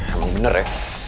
emang bener ya